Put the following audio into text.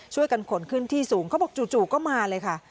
ช่วยกันขนขึ้นที่สูงเขาบอกจู่ก็มาเลยค่ะ